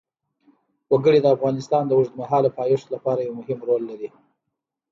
وګړي د افغانستان د اوږدمهاله پایښت لپاره یو مهم رول لري.